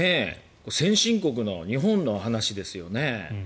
先進国の日本の話ですよね。